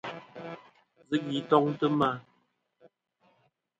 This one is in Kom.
Zɨ gvi toŋtɨ ma.